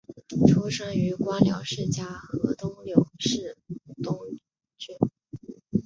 出生于官僚世家河东柳氏东眷。